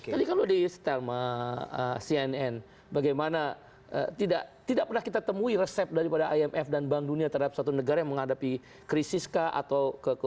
jadi kalau di telma cnn bagaimana tidak pernah kita temui resep daripada imf dan bank dunia terhadap suatu negara yang menghadapi krisis kah atau